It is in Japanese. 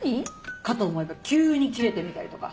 かと思えば急にキレてみたりとか。